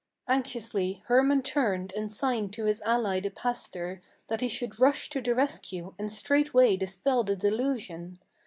Anxiously Hermann turned and signed to his ally the pastor That he should rush to the rescue and straightway dispel the delusion.